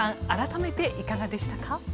改めていかがでしたか？